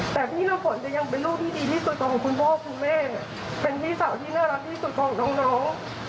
แต่พี่น้ำฝนจะยังเป็นลูกที่ดีที่สุดของคุณพ่อคุณแม่เป็นพี่สาวที่น่ารักที่สุดของน้อง